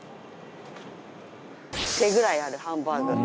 手ぐらいあるハンバーグ。